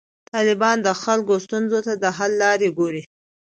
طالبان د خلکو ستونزو ته د حل لارې ګوري.